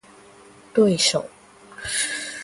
对手